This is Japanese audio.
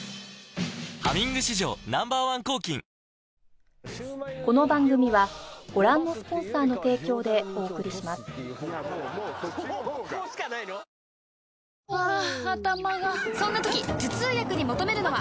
「ハミング」史上Ｎｏ．１抗菌ハァ頭がそんな時頭痛薬に求めるのは？